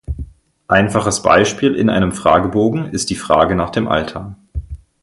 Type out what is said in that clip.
Einfaches Beispiel in einem Fragebogen ist die Frage nach dem Alter.